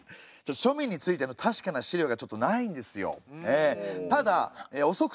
庶民についての確かな資料がちょっとないんですよ。